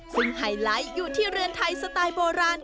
ซึ่งไฮไลท์อยู่ที่เรือนไทยสไตล์โบราณ